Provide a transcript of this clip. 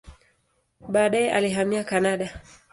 Baadaye alihamia Kanada.